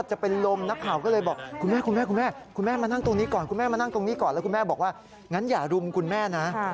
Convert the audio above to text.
ตรงนี้ก่อนคุณแม่มานั่งตรงนี้ก่อนแล้วคุณแม่บอกว่างั้นอย่ารุมคุณแม่นะ